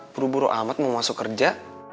buru buru amat mau masuk kerja